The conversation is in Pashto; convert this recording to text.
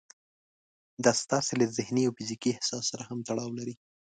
دا ستاسې له ذهني او فزيکي احساس سره هم تړاو لري.